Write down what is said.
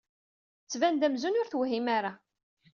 Tettban-d amzun ur tewhim ara.